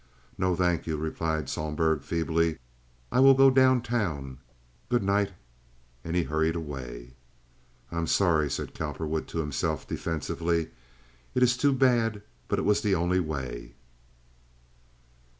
"Nau, thank you," replied Sohlberg, feebly. "I will go down town. Good night." And he hurried away. "I'm sorry," said Cowperwood to himself, defensively. "It is too bad, but it was the only way."